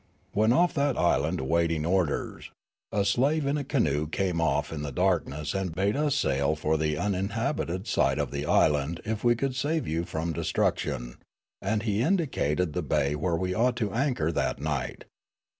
When off that island awaiting orders, a slave in a canoe came off in the darkness and bade us sail for the uninhabited side of the island if we would save you from destruction ; and he indicated the bay where we ought to anchor that night.